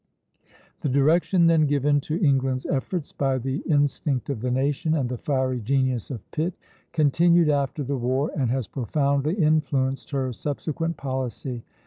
The direction then given to England's efforts, by the instinct of the nation and the fiery genius of Pitt, continued after the war, and has profoundly influenced her subsequent policy.